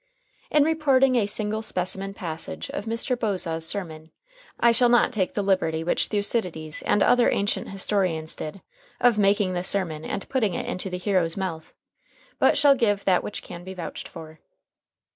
In reporting a single specimen passage of Mr. Bosaw's sermon, I shall not take the liberty which Thucydides and other ancient historians did, of making the sermon and putting it into the hero's mouth, but shall give that which can be vouched for.